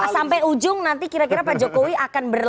sampai ujung nanti kira kira pak jokowi akan berada